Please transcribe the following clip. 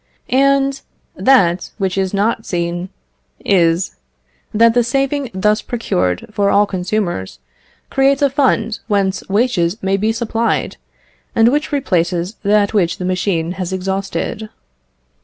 And that which is not seen is, that the saving thus procured for all consumers creates a fund whence wages may be supplied, and which replaces that which the machine has exhausted.